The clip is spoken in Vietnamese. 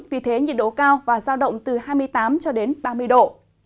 vì thế nhiệt độ cao và giao động từ hai mươi tám ba mươi độ